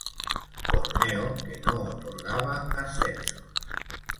Torneo que no otorgaba ascensos.